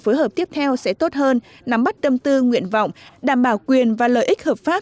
phối hợp tiếp theo sẽ tốt hơn nắm bắt tâm tư nguyện vọng đảm bảo quyền và lợi ích hợp pháp